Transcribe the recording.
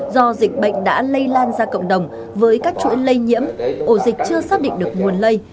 do dịch bệnh đã lây lan ra cộng đồng với các chuỗi lây nhiễm ổ dịch chưa xác định được nguồn lây